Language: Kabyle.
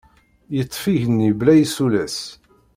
Yeṭṭef igenni bla isulas.